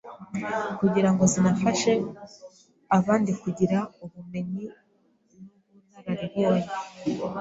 kugira ngo zinafashe abandi kugira ubumenyi n’ubunararibonye